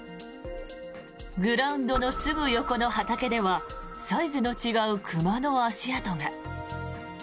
グラウンドのすぐ横の畑ではサイズの違う熊の足跡が。